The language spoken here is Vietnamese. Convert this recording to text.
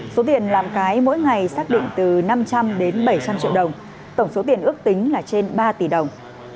số tiền làm cái mỗi ngày xác định từ năm trăm linh đến bảy trăm linh triệu đồng tổng số tiền ước tính là trên ba tỷ đồng